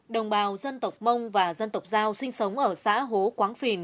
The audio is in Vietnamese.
đồng bào dân tộc mông và dân tộc giao sinh sống ở xã hố quáng phìn